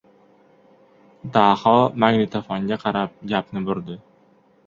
Daho magnitofonga qarab gapni burdi.